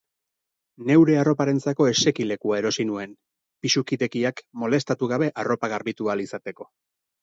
Neure arroparentzako esekilekua erosi nuen, pisukidekiak molestatu gabe arropa garbitu ahal izateko.